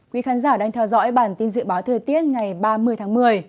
quý khán giả đang theo dõi bản tin dự báo thời tiết ngày ba mươi tháng một mươi